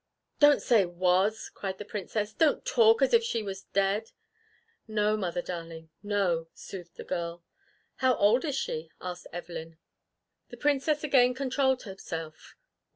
"Don't say was!" cried the Princess. "Don't talk as if she was dead!" "No, mother darling, no!" soothed the girl. "How old is she?" asked Evelyn. The Princess again controlled herself.